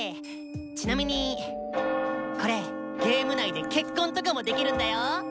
ちなみにこれゲーム内で結婚とかもできるんだよ。